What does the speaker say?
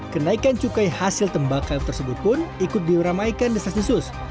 kenaikan cukai hasil tembak kayu tersebut pun ikut diramaikan desa sensus